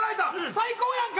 最高やんか！